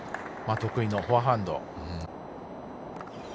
得意のフォアハンド。